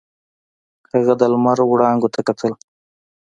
هغه د لمر وړانګو ته کتل.